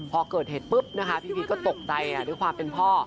พอเกิดเหตุปุ๊บนะคะพี่พีชก็ตกใจด้วยความเป็นพ่อ